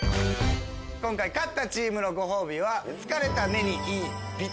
今回勝ったチームのご褒美は。